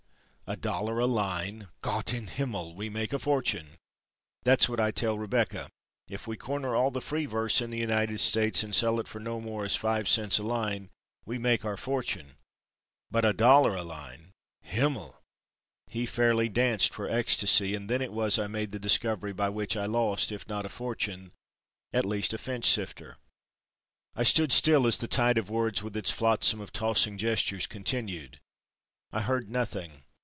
A dollar a line! Gott in Himmel! we make a fortune! That's what I tell Rebecca—If we corner all the free verse in the United States and sell it for no more as five cents a line—we make our fortune! but a dollar a line!—Himmel!"—he fairly danced for ecstasy and then it was I made the discovery, by which I lost if not a Fortune at least a Finchsifter. I stood still as the tide of words with its flotsam of tossing gestures, continued—I heard nothing.